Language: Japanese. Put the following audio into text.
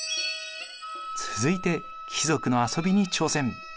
続いて貴族の遊びに挑戦。